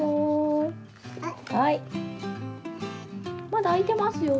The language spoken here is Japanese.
まだあいてますよ。